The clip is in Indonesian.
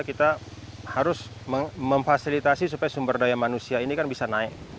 kita harus memfasilitasi supaya sumber daya manusia ini kan bisa naik